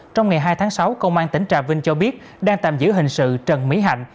trong ngày hai tháng sáu công an tỉnh trà vinh cho biết đang tạm giữ hình sự trần mỹ hạnh